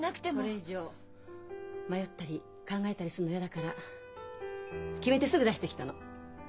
これ以上迷ったり考えたりするの嫌だから決めてすぐ出してきたの。